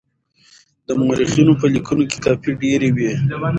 د مورخينو په ليکنو کې لافې ډېرې دي.